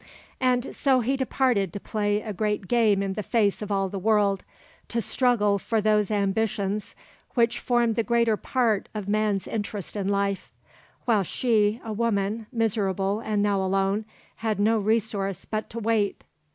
And so he departed to play a great game in the face of all the world, to struggle for those ambitions which form the greater part of man's interest in life; while she, a woman, miserable and now alone, had no resource but to wait.